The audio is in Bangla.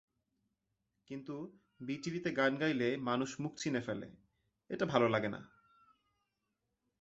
কিন্তু টিভিতে গান গাইলে মানুষ মুখ চিনে ফেলে, এটা ভালো লাগে না।